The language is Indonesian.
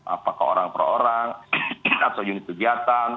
apakah orang per orang atau unit kegiatan